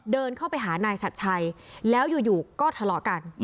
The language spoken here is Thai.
เดินเข้าไปหานายชัดชัยแล้วอยู่ก็ทะเลาะกัน